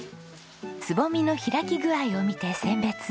つぼみの開き具合を見て選別。